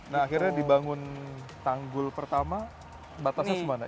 nah akhirnya dibangun tanggul pertama batasnya semana